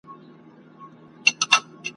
جوړه کړې یې په چت کي ځالګۍ وه `